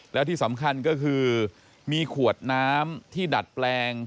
แล้วที่สำคัญก็คือมีขวดน้ำที่ดัดแปลง